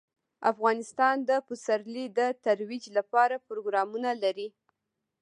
افغانستان د پسرلی د ترویج لپاره پروګرامونه لري.